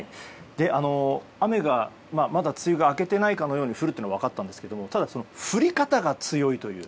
まだ梅雨が明けていないかのように雨が降るというのは分かったんですけどただ降り方が強いという。